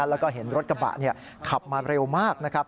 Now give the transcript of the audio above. แล้วก็เห็นรถกระบะขับมาเร็วมากนะครับ